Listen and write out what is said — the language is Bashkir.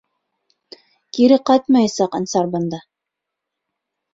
Кире ҡайтмаясаҡ Ансар бында.